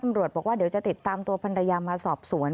บอกว่าเดี๋ยวจะติดตามตัวพันรยามาสอบสวน